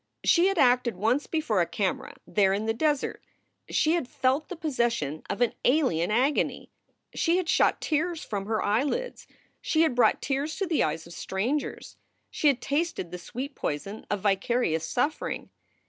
She had acted once before a camera, there in the desert. She had felt the possession of an alien agony. She had shot tears from her eyelids. She had brought tears to the eyes of strangers. She had tasted the sweet poison of vicarious suffering.